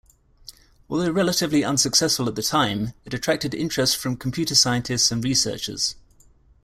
Although relatively unsuccessful at the time, it attracted interest from computer scientists and researchers.